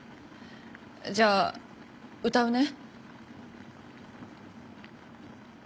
じゃあ歌うね。